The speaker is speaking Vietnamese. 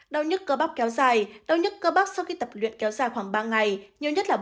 đau nhức cơ bóc kéo dài đau nhức cơ bóc sau khi tập luyện kéo dài khoảng ba ngày nhiều nhất là bốn